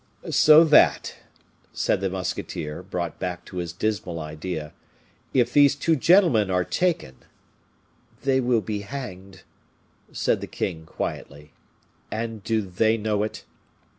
"So that," said the musketeer, brought back to his dismal idea, "if these two gentlemen are taken " "They will be hanged," said the king, quietly. "And do they know it?"